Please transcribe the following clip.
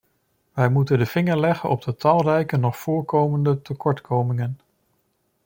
Wij moeten de vinger leggen op de talrijke nog voorkomende tekortkomingen.